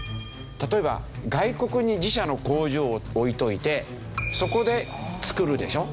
例えば外国に自社の工場を置いといてそこで作るでしょ。